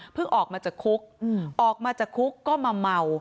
ออกมาจากคุกออกมาจากคุกก็มาเมา